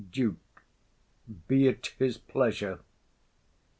DUKE. Be it his pleasure.